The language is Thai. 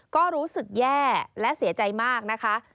ก็รู้สึกแย่และเสียใจมากนะคะ